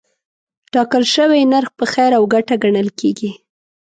ټاکل شوی نرخ په خیر او ګټه ګڼل کېږي.